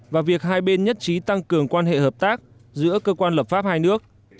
và việc hai bên nhất trí tăng cường quan hệ hợp tác giữa cơ quan lập pháp hai nước